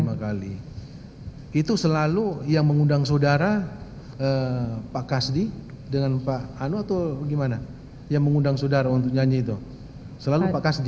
lima kali itu selalu yang mengundang saudara pak kasdi dengan pak anu atau gimana yang mengundang saudara untuk nyanyi itu selalu pak kasdi